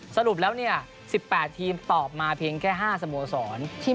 สรุปแล้ว๑๘ทีมตอบมาเพียงแค่๕สโมสร